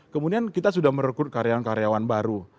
kemudian kita sudah merekrut karyawan karyawan baru